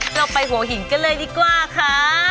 เราไปหัวหินกันเลยดีกว่าค่ะ